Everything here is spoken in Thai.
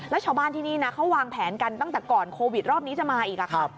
แล้วชาวบ้านที่นี่นะเขาวางแผนกันตั้งแต่ก่อนโควิดรอบนี้จะมาอีกค่ะ